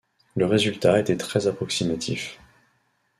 Le résultat était très approximatif.